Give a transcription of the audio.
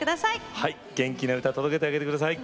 元気な歌届けてあげて下さい。